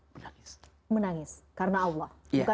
menangis karena allah